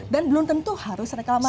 dan belum tentu harus reklamasi